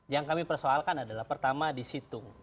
yang kami persoalkan adalah pertama di situng